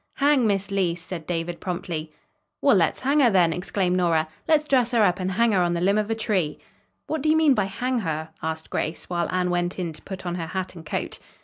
"Hang Miss Leece!" said David promptly. "Well, let's hang her, then," exclaimed Nora. "Let's dress her up and hang her on a limb of a tree." "What do you mean by 'hang' her?" asked Grace, while Anne went in to put on her hat and coat.